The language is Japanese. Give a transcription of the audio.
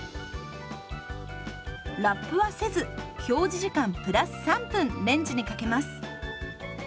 ラップはせず表示時間プラス３分レンジにかけます。